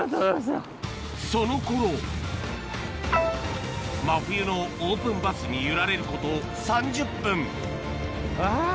そのころ真冬のオープンバスに揺られること３０分あぁ。